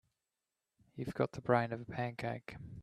You've got the brain of a pancake.